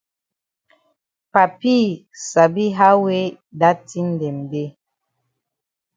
Papi sabi how wey dat tin dem dey.